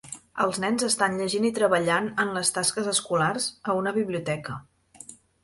Els nens estan llegint i treballant en les tasques escolars a una biblioteca.